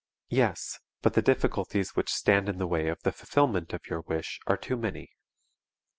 Yes, but the difficulties which stand in the way of the fulfillment of your wish are too many.